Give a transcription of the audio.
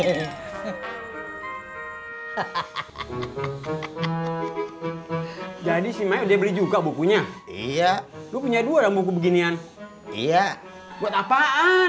hahaha jadi simak dia beli juga bukunya iya lu punya dua muka beginian iya buat apaan